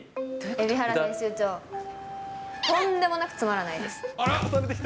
蛯原編集長、トンでもなくつまらないです。